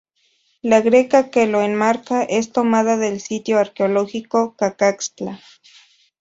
La greca que lo enmarca es tomada del sitio arqueológico Cacaxtla.